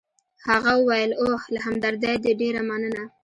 هغه وویل: اوه، له همدردۍ دي ډېره مننه.